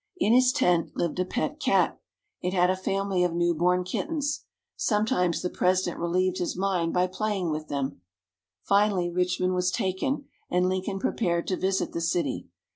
In his tent lived a pet cat. It had a family of new born kittens. Sometimes, the President relieved his mind by playing with them. Finally Richmond was taken, and Lincoln prepared to visit the city.